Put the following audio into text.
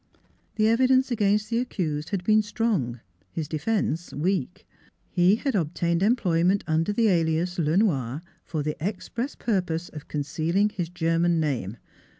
The evidence against the accused had been strong, his defense weak. He had obtained employment under the alias, Le Noir, for the express purpose of con cealing his German name.